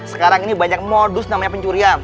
sekarang ini banyak modus namanya pencurian